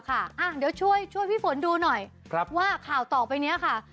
กันสุดบันเท้า